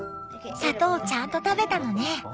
砂糖をちゃんと食べたのね。